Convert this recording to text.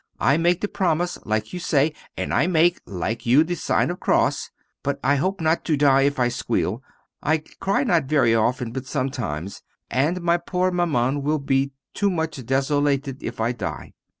I make the promise like you say, and I make like you the sign of cross, but I hope not to die if I squeal; I cry not very often, but sometimes, and my poor Maman will be to much desolated if I die.